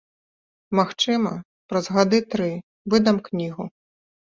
Магчыма, праз гады тры выдам кнігу.